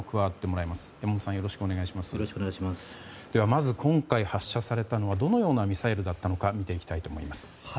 まず、今回発射されたのはどのようなミサイルだったのかを見ていきたいと思います。